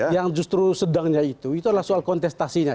yang justru sedangnya itu itu adalah soal kontestasinya